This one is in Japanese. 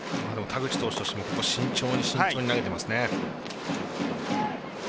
田口投手としても慎重に投げていますね。